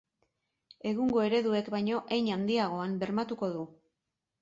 Egungo ereduek baino hein handiagoan bermatuko du.